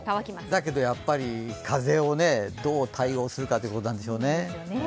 だけどやっぱり風をどう対応するかということなんでしょうね。